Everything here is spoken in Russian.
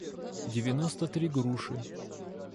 девяносто три груши